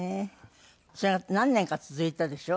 それが何年か続いたでしょ？